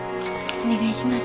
お願いします。